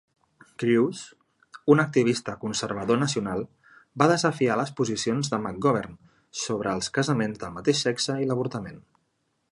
Crews, un activista conservador nacional, va desafiar les posicions de McGovern sobre els casaments del mateix sexe i l'avortament.